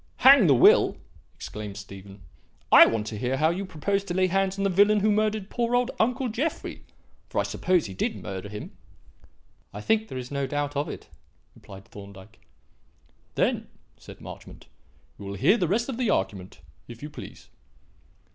"Hang the will!" exclaimed Stephen. "I want to hear how you propose to lay hands on the villain who murdered poor old uncle Jeffrey for I suppose he did murder him?" "I think there is no doubt of it," replied Thorndyke. "Then," said Marchmont, "we will hear the rest of the argument, if you please."